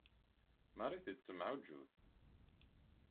Marie tettemɛujjut.